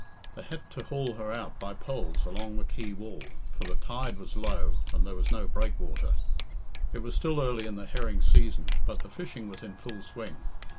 They had to haul her out by poles alone the quay wall, for the tide was low, and there was no breakwater. It was still early in the herring season, but the fishing was in full swing.